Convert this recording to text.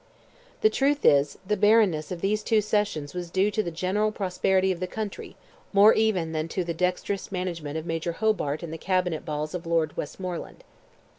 The truth is, the barrenness of these two sessions was due to the general prosperity of the country, more even than to the dexterous management of Major Hobart and the Cabinet balls of Lord Westmoreland.